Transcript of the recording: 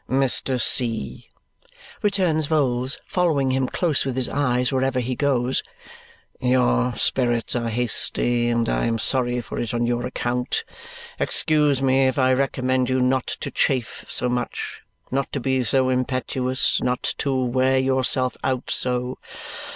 "Mr. C.," returns Vholes, following him close with his eyes wherever he goes, "your spirits are hasty, and I am sorry for it on your account. Excuse me if I recommend you not to chafe so much, not to be so impetuous, not to wear yourself out so.